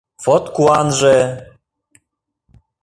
Вот куанже!